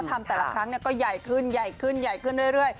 ครั้งที่๔แล้วนะคะแล้วก็ทำแต่ละครั้งก็ใหญ่ขึ้นใหญ่ขึ้นใหญ่ขึ้นเรื่อย